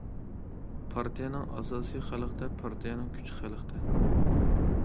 پارتىيەنىڭ ئاساسى خەلقتە، پارتىيەنىڭ كۈچى خەلقتە.